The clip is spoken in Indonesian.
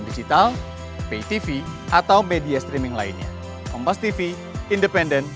daripada daerah daerah sungai